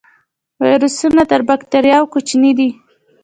ویروسونه تر بکتریاوو کوچني دي